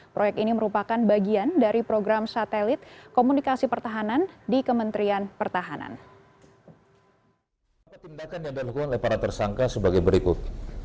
proyek ini merupakan bagian dari program satelit komunikasi pertahanan di kementerian pertahanan